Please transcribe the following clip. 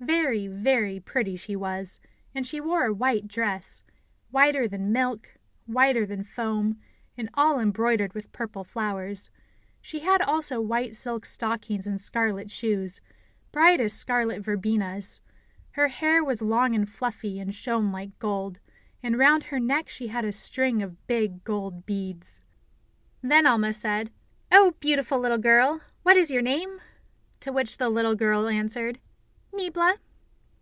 Very, very pretty she was; and she wore a white dress whiter than milk, whiter than foam, and all embroidered with purple flowers. She had also white silk stockings and scarlet shoes, bright as scarlet verbenas. Her hair was long and fluffy, and shone like gold, and round her neck she had a string of big, gold beads. Then Alma said, "Oh, beautiful little girl, what is your name?" To which the little girl answered: "Niebla."